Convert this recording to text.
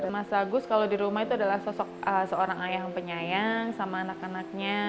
mas agus kalau di rumah itu adalah seorang ayah yang penyayang sama anak anaknya